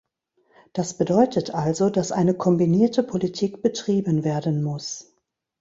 Das bedeutet also, dass eine kombinierte Politik betrieben werden muss.